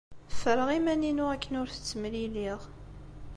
Ffreɣ iman-inu akken ur t-ttemliliɣ.